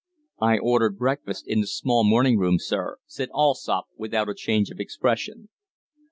"I ordered breakfast in the small morning room, sir," said Allsopp, without a change of expression.